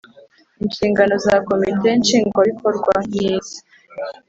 Inshingano za Komite Nshingwabikorwa ni izi